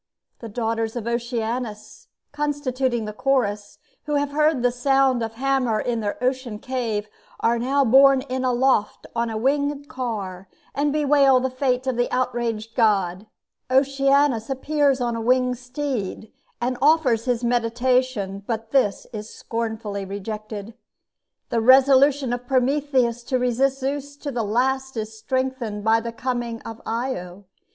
The daughters of Oceanus, constituting the Chorus, who have heard the sound of the hammer in their ocean cave, are now borne in aloft on a winged car, and bewail the fate of the outraged god. Oceanus appears upon a winged steed, and offers his mediation; but this is scornfully rejected. The resolution of Prometheus to resist Zeus to the last is strengthened by the coming of Io.